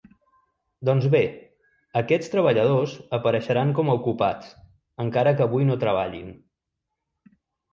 Doncs bé, aquests treballadors apareixeran com a ocupats, encara que avui no treballin.